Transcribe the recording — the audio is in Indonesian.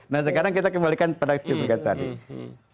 nah sekarang kita kembalikan pada cuplikan tadi